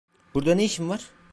Burada ne işin var?